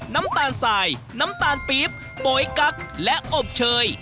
น้ำตาลสายน้ำตาลปี๊บโป๊ยกั๊กและอบเชย